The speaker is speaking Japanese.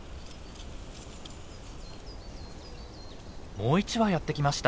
もう一羽やって来ました。